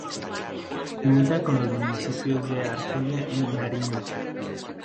Limita con los municipios de Argelia y Nariño.